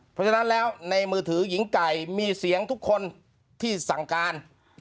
เพราะฉะนั้นแล้วในมือถือหญิงไก่มีเสียงทุกคนที่สั่งการ